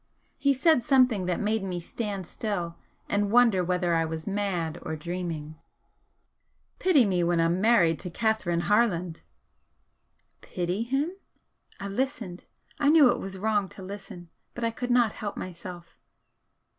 He said something that made me stand still and wonder whether I was mad or dreaming. 'Pity me when I'm married to Catherine Harland!' Pity him? I listened, I knew it was wrong to listen, but I could not help myself.